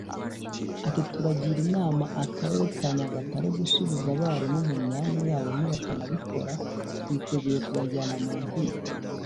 Ati "Turagira inama Akarere ka Nyagatare gusubiza abarimu mu myanya yabo nibatabikora twiteguye kubajyana mu nkiko